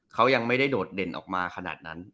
เขายังไม่ได้โดดเด่นออกมาขนาดนั้น